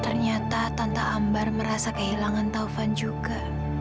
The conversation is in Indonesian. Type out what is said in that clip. ternyata tanpa ambar merasa kehilangan taufan juga